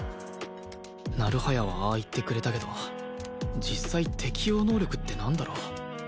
成早はああ言ってくれたけど実際適応能力ってなんだろう？